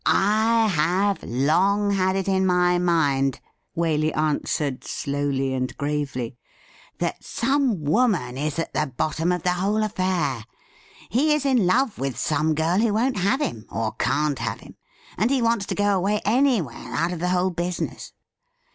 ' I have long had it in my mind,' Waley answered slowly and gravely, ' that some woman is at the bottom of the whole affair. He is in love with some girl who won't have him or can't have him, and he wants to go away anywhere out of the whole business.